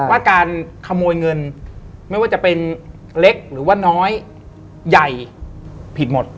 ว่าการขโมยเงินไม่ว่าจะเป็นเล็กหรือว่าน้อยใหญ่ผิดหมด